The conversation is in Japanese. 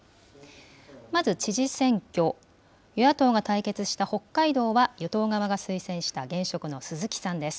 まず知事選挙、与野党が対決した北海道は与党側が推薦した現職の鈴木さんです。